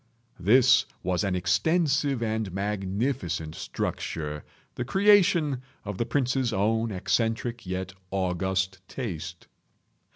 This was an extensive and magnificent structure, the creation of the prince's own eccentric yet august taste.